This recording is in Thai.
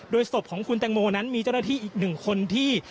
ศพของคุณแตงโมนั้นมีเจ้าหน้าที่อีกหนึ่งคนที่